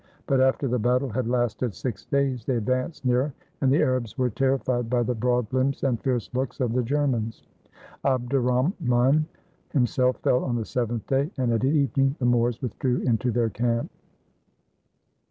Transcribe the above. But after the battle had lasted six days they advanced nearer, and the Arabs were terrified by the broad limbs and fierce looks of the Germans. Abderrahman himself fell on the seventh day, and at evening the Moors withdrew into their camp.